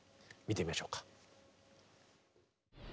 見てみましょうか。